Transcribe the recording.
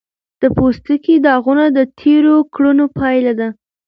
د پوستکي داغونه د تېرو کړنو پایله ده.